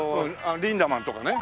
リンダマンとかね。